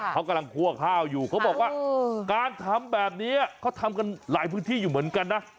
เขากำลังคั่วข้าวอยู่เขาบอกว่าการทำแบบนี้เขาทำกันหลายพื้นที่อยู่เหมือนกันนะ